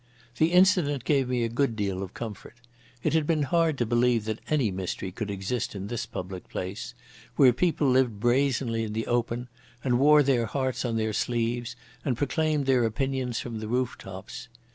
The incident gave me a good deal of comfort. It had been hard to believe that any mystery could exist in this public place, where people lived brazenly in the open, and wore their hearts on their sleeves and proclaimed their opinions from the rooftops.